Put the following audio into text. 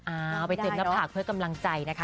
เอาไปเติมหน้าผากเพื่อกำลังใจนะคะ